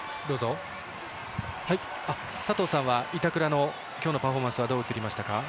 佐藤さんは板倉の今日のパフォーマンスどう映りましたか？